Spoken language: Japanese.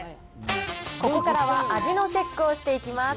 ここからは味のチェックをしていきます。